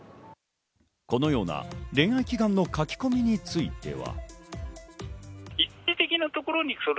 このような恋愛祈願の書き込みについては。